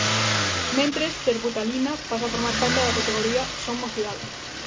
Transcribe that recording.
Mentres, Terbutalina pasa a formar parte da categoría Son Mocidade.